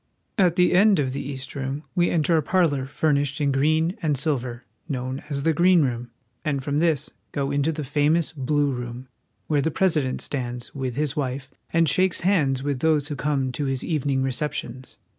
At the end of the East Room we enter a parlor furnished in green and silver, known as the Green Room, and from this go into the famous Blue Room, where the President stands, with his wife, and shakes hands with those who come to his evening receptions.